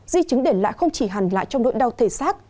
di chứng để lại không chỉ hàn lại trong đội đau thể xác